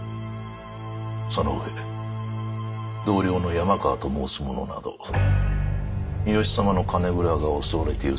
その上同僚の山川と申す者など三好様の金蔵が襲われている